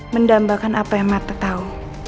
mendambahkan apa yang mata tau